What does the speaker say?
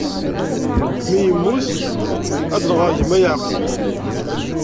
Mi yemmut, ad nɣeɣ gma Yeɛqub.